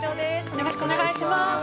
よろしくお願いします。